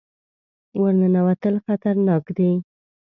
ور ننوتل خطرناک دي.